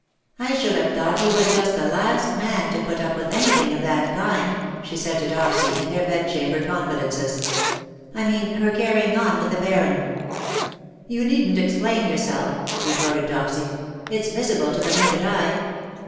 201 '' I should have thought he was just the last mau to put up with anything of that kind/'' she said to Dopsy^ in their bed chamber confidences ;" I mean her carrying on with the Baron/' " You needn't explain yourself/' retorted Dopsy, ''it's visible to the naked eye.